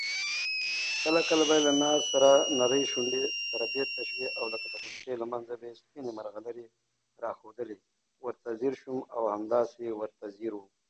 "Baltimore News American" Photograph Collection, University of Maryland Libraries, College Park, Maryland.